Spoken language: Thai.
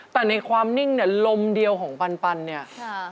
แต่ในความนิ่งเนี่ยลมเดียวของปันเนี่ย